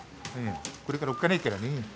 これからおっかないからね。